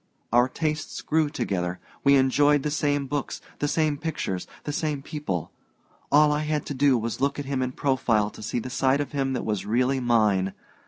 Our tastes grew together we enjoyed the same books, the same pictures, the same people. All I had to do was to look at him in profile to see the side of him that was really mine.